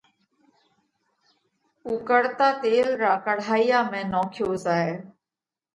اُوڪۯتا تيل را ڪڙاهيا ۾ نوکيو زائه۔